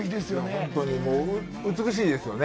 本当にもう、美しいですよね。